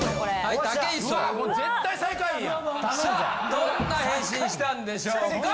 どんな返信したんでしょうか？